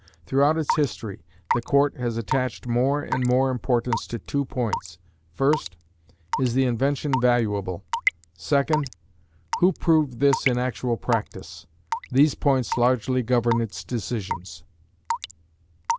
Throughout its history, the court has attached more and more importance to two points: First, is the invention valuable? Second, who proved this in actual practice? These points largely govern its decisions.